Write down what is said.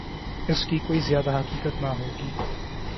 اس کی کوئی زیادہ حقیقت نہ ہو گی۔